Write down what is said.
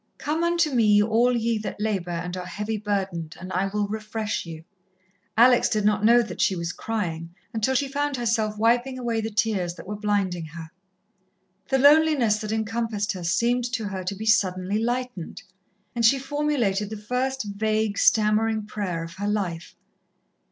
"Come unto Me all ye that labour and are heavy burdened, and I will refresh you." Alex did not know that she was crying until she found herself wiping away the tears that were blinding her. The loneliness that encompassed her seemed to her to be suddenly lightened, and she formulated the first vague, stammering prayer of her life.